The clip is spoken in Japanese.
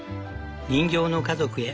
人形の家族へ。